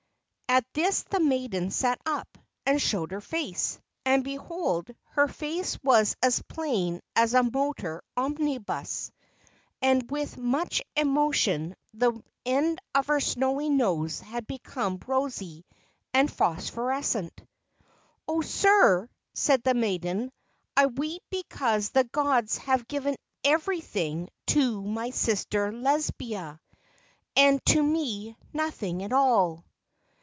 At this the maiden sat up and showed her face. And, behold, her face was as plain as a motor omnibus ; and with much emotion the end of her snowy nose had become rosy and phosphorescent. "Oh, sir," said the maiden, "I weep because the gods have given everything to my sister Lesbia and to me nothing at all."